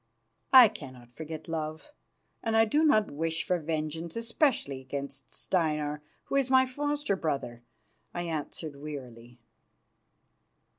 "I cannot forget love, and I do not wish for vengeance, especially against Steinar, who is my foster brother," I answered wearily.